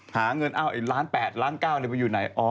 หาเงินเอ้าไอ้ล้านแปดล้านเก้าไปอยู่ไหนอ๋อ